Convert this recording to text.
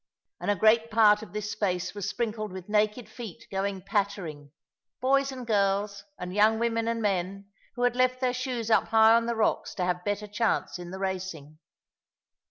And a great part of this space was sprinkled with naked feet going pattering boys and girls, and young women and men, who had left their shoes up high on the rocks to have better chance in the racing.